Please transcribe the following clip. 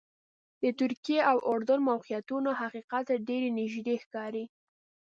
د ترکیې او اردن موقعیتونه حقیقت ته ډېر نږدې ښکاري.